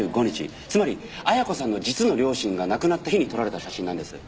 つまり亜矢子さんの実の両親が亡くなった日に撮られた写真なんです。